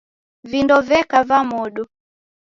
Vindo veka va modo.